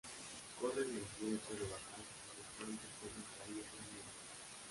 corren el riesgo de bajar si sus fans descubren que hay otros mundos